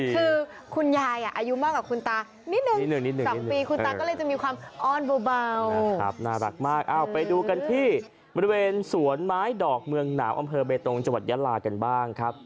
คือคุณยายอายุมากกับคุณตา